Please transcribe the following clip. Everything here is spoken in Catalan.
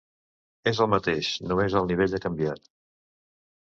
És el mateix, només el nivell ha canviat.